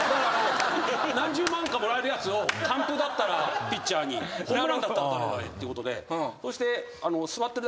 何十万かもらえるやつを完封だったらピッチャーにホームランだったら誰々っていうことでそして。